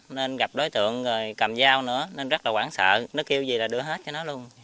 nên gặp đối tượng rồi cầm dao nữa nên rất là quảng sợ nó kêu gì là đưa hết cho nó luôn